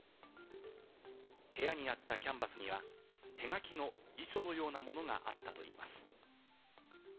部屋にあったキャンバスには、手書きの遺書のようなものがあったといいます。